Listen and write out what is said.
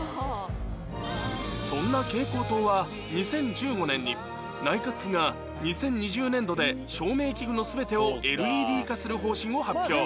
そんな蛍光灯は２０１５年に内閣府が２０２０年度で照明器具の全てを ＬＥＤ 化する方針を発表